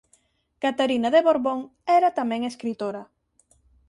Catarina de Borbón era tamén escritora.